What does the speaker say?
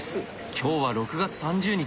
今日は６月３０日。